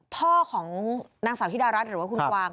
พ่อของนางสาวธิดารัฐหรือว่าคุณกวาง